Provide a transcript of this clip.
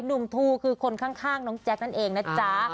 ทูคือคนข้างน้องแจ๊คนั่นเองนะจ๊ะ